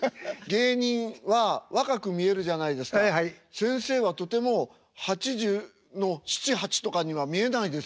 先生はとても８０の７８とかには見えないです。